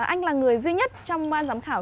anh là người duy nhất trong ban giám khảo